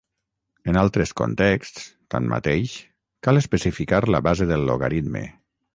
En altres contexts, tanmateix, cal especificar la base del logaritme.